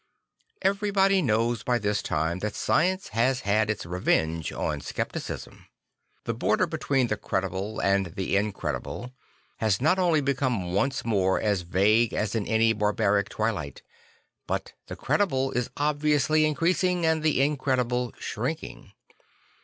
Every body knows by this time that science has had its revenge on scepticism. The border between the credible and the incredible has not only become once more as vague as in any barbaric twilight; but the credible is obviously increasing and the incredible shrinking.